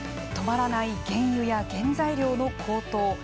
止まらない原油や原材料の高騰。